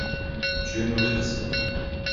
Tu aimerais ta sœur.